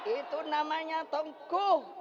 itu namanya tengkuh